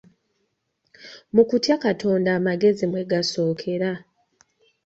Mu kutya Katonda amagezi mwe gasookera.